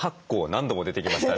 何度も出てきましたね。